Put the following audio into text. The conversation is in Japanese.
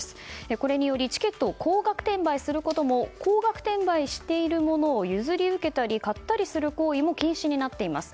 これによりチケットを高額転売することも高額転売しているものを譲り受けたり買ったりする行為も禁止になっています。